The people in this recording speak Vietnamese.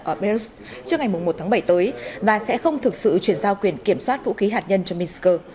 ở belarus trước ngày một tháng bảy tới và sẽ không thực sự chuyển giao quyền kiểm soát vũ khí hạt nhân cho minsk